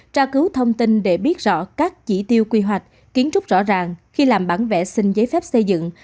tra cứu thông tin để biết rõ các chỉ tiêu quy hoạch kiến trúc rõ ràng khi làm bản vẽ xin giấy phép xây dựng